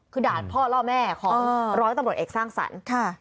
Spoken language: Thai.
คือด่านพ่อล่อแม่ของร้อยตำรวจเอกสร้างสรรค์